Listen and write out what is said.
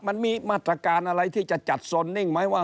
มันมีมาตรการอะไรที่จะจัดโซนนิ่งไหมว่า